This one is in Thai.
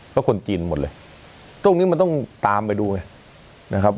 ก็คนจีนหมดเลยตรงนี้มันต้องตามไปดูไหมนะครับ